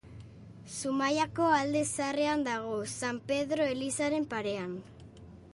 Zumaiako Alde Zaharrean dago, San Pedro elizaren parean.